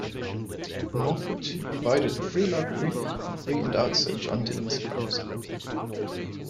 In Northwich he provided a free library and re-endowed Sir John Deane's Grammar School.